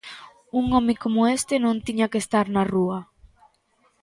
Un home como este non tiña que estar na rúa.